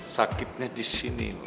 sakitnya di sini